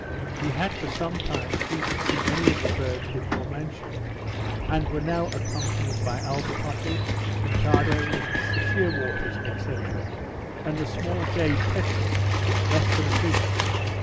We had for some time ceased to see any of the birds before mentioned; and were now accompanied by albatrosses, pintadoes, sheerwaters, &c., and a small grey peterel, less than a pigeon.